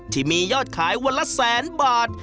ที่มียอดขายวันละแสนบาท